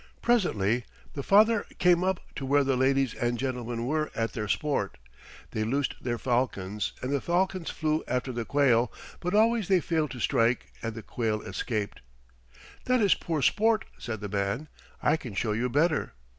Presently the father came up to where the ladies and gentlemen were at their sport. They loosed their falcons, and the falcons flew after the quail, but always they failed to strike, and the quail escaped. "That is poor sport," said the man. "I can show you better."